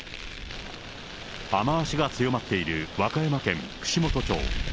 雨足が強まっている和歌山県串本町。